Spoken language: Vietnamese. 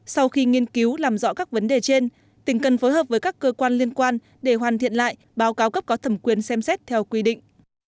sau khi nghiên cứu làm rõ các vấn đề trên tỉnh cần phối hợp với các cơ quan liên quan để hoàn thiện lại báo cáo cấp có thẩm quyền xem xét theo quy định